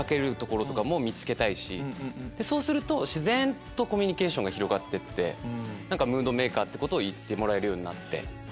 そうすると自然とコミュニケーションが広がってムードメーカーって言ってもらえるようになって。